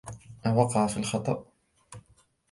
أوقع في الخطإ